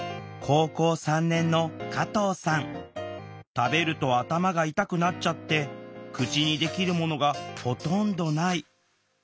食べると頭が痛くなっちゃって口にできるものがほとんどない。